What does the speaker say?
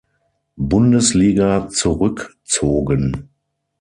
Bundesliga zurückzogen.